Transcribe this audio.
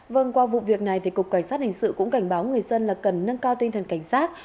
vâng qua vụ việc này thì cục cảnh sát hình sự cũng cảnh báo người dân là cần nâng cao tinh thần cảnh sát